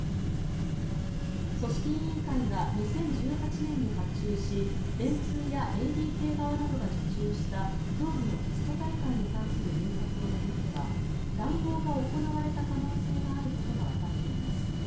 組織委員会が２０１８年に発注し電通やＡＤＫ側などが受注した競技のテスト大会に関する入札を巡っては談合が行われた可能性があることがわかっています。